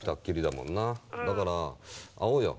だから会おうよ。